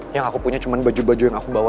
yang aku punya cuma baju baju yang aku bawa